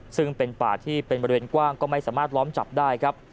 ซึ่งเป็นป่าที่เป็นบริเวณกว้างก็ไม่สามารถล้อมจับได้ครับ